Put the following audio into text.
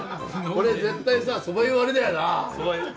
これ絶対さそば湯割りだよな。